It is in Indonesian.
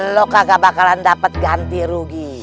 lu kagak bakalan dapat ganti rugi